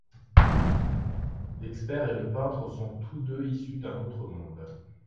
L'expert et le peintre sont tous deux issus d'un autre monde.